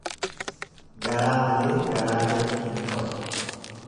Garaa malee garaa jalli hin ka'u.